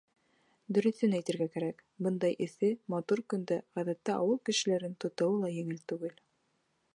Дөрөҫөн әйтергә кәрәк, бындай эҫе, матур көндә, ғәҙәттә, ауыл кешеләрен тотоуы ла еңел түгел.